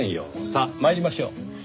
さあ参りましょう。